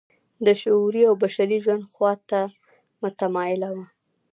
د شعوري او بشري ژوند خوا ته متمایله وه.